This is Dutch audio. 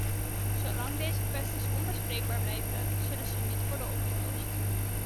Zolang deze kwesties onbespreekbaar blijven, zullen ze niet worden opgelost.